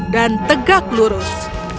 dan tegak lurus